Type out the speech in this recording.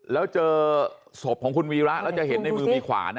แล้วเจอศพของคุณวีระแล้วจะเห็นในมือมีขวานะ